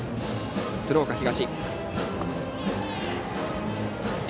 鶴岡東。